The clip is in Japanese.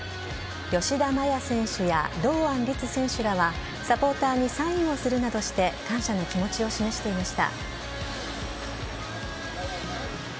吉田麻也選手や堂安律選手らはサポーターにサインをするなどして感謝の気持ちを示していました。